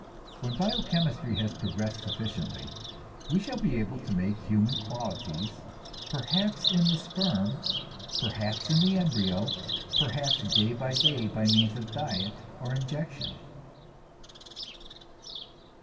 When bio chemistry has progressed sufficiently, we shall be able to make human qualities, perhaps in the sperm, perhaps in the embryo, perhaps day by day by means of diet or injection."